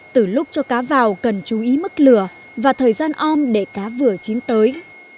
từ lúc cho cá vào cần chú ý mức lửa và thời gian om để cá vừa chín tới